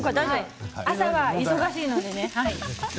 朝は忙しいのでね